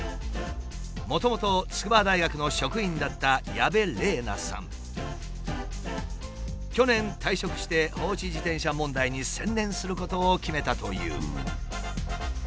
もともと筑波大学の職員だった去年退職して放置自転車問題に専念することを決めたという。